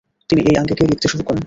তিনি এই আঙ্গিকে লিখতে শুরু করেন।